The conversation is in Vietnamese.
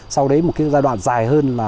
sau đấy một giai đoạn dài hơn là